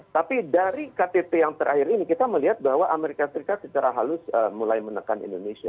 tapi dari ktt yang terakhir ini kita melihat bahwa amerika serikat secara halus mulai menekan indonesia